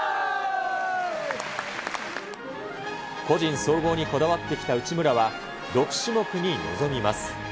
個人総合にこだわってきた内村は、６種目に臨みます。